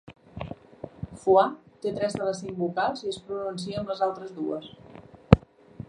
'Foie' té tres de les cinc vocals i es pronuncia amb les altres dues.